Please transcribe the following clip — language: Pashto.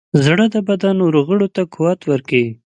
زړه د بدن نورو غړو ته قوت ورکوي.